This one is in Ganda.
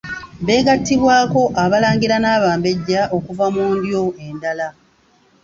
Beegattibwako abalangira n’abambejja okuva mu ndyo endala.